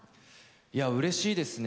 いやうれしいですね。